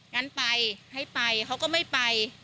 งั้นไปให้ไปเขาก็ไม่ไป